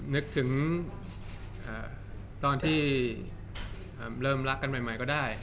นึกถึงตอนที่เริ่มรักกันใหม่ก็ได้